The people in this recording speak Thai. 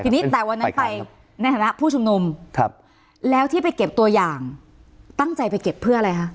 ทีนี้แต่วันนั้นไปในฐานะผู้ชุมนุมแล้วที่ไปเก็บตัวอย่างตั้งใจไปเก็บเพื่ออะไรคะ